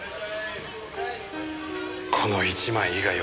この１枚以外は。